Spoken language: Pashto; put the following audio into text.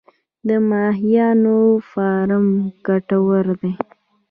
د ماهیانو فارم ګټور دی؟